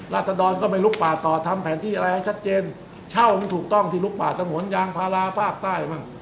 รัฐดอนก็ไปลุกป่าต่อทำแผนที่แรงชัดเจนเช่ามันถูกต้องที่ลุกป่าสมนตร์ยางพาราฟาคใต้บ้าง